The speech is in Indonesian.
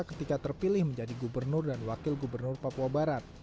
ketika terpilih menjadi gubernur dan wakil gubernur papua barat